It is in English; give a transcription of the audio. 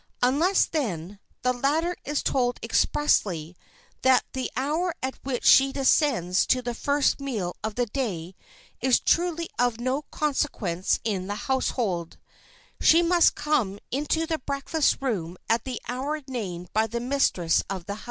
Unless, then, the latter is told expressly that the hour at which she descends to the first meal of the day is truly of no consequence in the household, she must come into the breakfast room at the hour named by the mistress of the house.